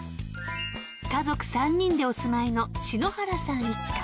［家族３人でお住まいの篠原さん一家］